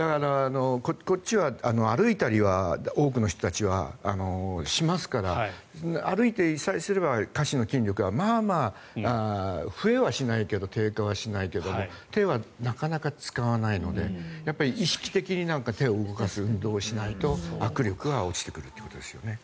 歩いたりは多くの人たちはしますから歩いてさえいれば下肢の筋力はまあまあ、増えはしないけど低下はしないけれども手はなかなか使わないので意識的に手を動かす運動をしないと握力が落ちてくるということですよね。